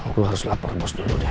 lo harus lapar bos dulu deh